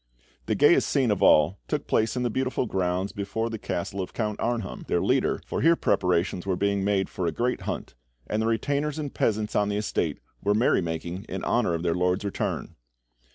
The gayest scene of all took place in the beautiful grounds before the castle of Count Arnheim, their leader, for here preparations were being made for a great hunt, and the retainers and peasants on the estate were merry making in honour of their lord's return.